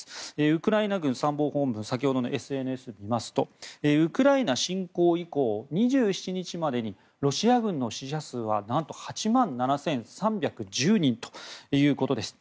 ウクライナ軍参謀本部先ほどのＳＮＳを見ますとウクライナ侵攻以降２７日までにロシア軍の死者数はなんと８万７３１０人ということです。